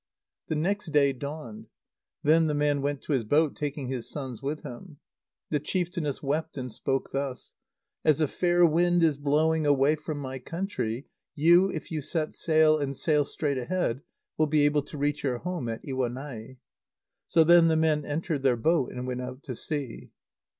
The next day dawned. Then the man went to his boat, taking his sons with him. The chieftainess wept and spoke thus: "As a fair wind is blowing away from my country, you, if you set sail and sail straight ahead, will be able to reach your home at Iwanai." So then the men entered their boat, and went out to sea.